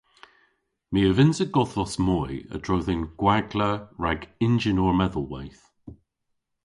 My a vynnsa godhvos moy a-dro dhe'n gwagla rag ynjynor medhelweyth.